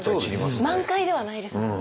満開ではないですもんね。